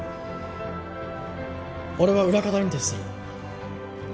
俺は裏方に徹する。